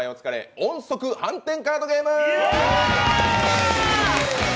音速飯店カードゲーム。